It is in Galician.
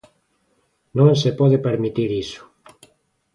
Non se pode permitir iso.